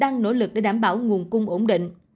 nỗ lực để đảm bảo nguồn cung ổn định